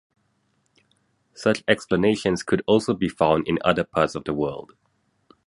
Such explanations could also be found in other parts of the world.